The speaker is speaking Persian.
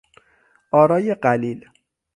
آرای قلیل